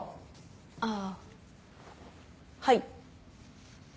ああはい。